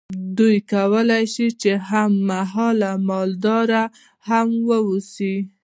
دوی کولی شول چې هم مهاله مالدار هم واوسي.